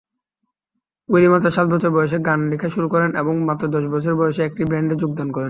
Willy মাত্র সাত বছর বয়সে গান লিখা শুরু করেন এবং মাত্র দশ বছর বয়সেই একটি ব্যান্ডে যোগদান করেন।